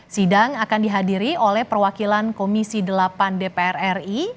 sidang akan dihadiri oleh perwakilan komisi delapan dpr ri